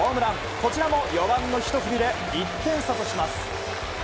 こちらも４番のひと振りで１点差とします。